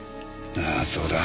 ああそうだ。